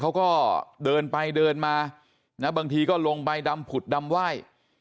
เขาก็เดินไปเดินมานะบางทีก็ลงใบดำผุดดำไหว้